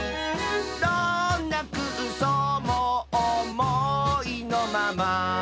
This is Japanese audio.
「どんなくうそうもおもいのまま」